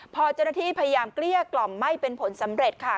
พอเจ้าหน้าที่พยายามเกลี้ยกล่อมไม่เป็นผลสำเร็จค่ะ